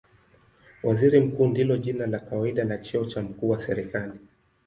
Waziri Mkuu ndilo jina la kawaida la cheo cha mkuu wa serikali.